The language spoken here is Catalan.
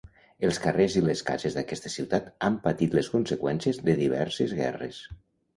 Els carrers i les cases d'aquesta ciutat han patit les conseqüències de diverses guerres.